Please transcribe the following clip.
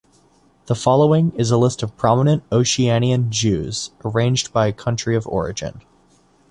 The following is a list of prominent Oceanian Jews, arranged by country of origin.